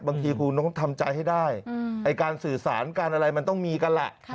บางทีคุณต้องทำใจให้ได้การสื่อสารการอะไรมันต้องมีกันแหละ